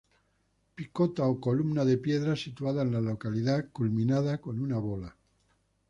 Picota o columna de piedra situada en la localidad, culminada con una bola.